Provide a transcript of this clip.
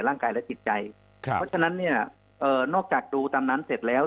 ร่างกายและจิตใจครับเพราะฉะนั้นเนี่ยเอ่อนอกจากดูตามนั้นเสร็จแล้ว